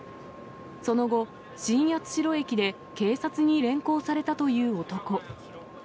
その後、新八代駅で警察に連行されたという男。